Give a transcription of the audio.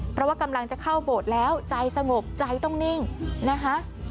เพราะว่ากำลังจะเข้าโบสถ์แล้วใจสงบใจต้องนิ่งนะคะ